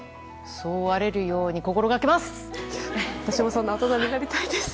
そう思われるように心がけます！